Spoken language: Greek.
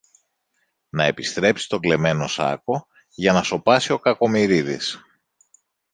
να επιστρέψει τον κλεμμένο σάκο, για να σωπάσει ο Κακομοιρίδης.